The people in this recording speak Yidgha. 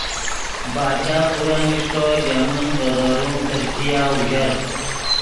باچا پورن اݰٹو ژے من ڤے دورون ترکیا اوژر